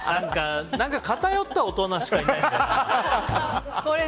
何か偏った大人しかいないんじゃない？